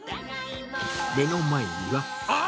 目の前には、あっ！